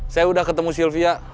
saya udah ketemu sylvia